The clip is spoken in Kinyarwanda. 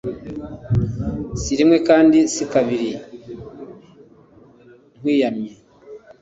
Sirimwe kandi sikabiri nkwiyamye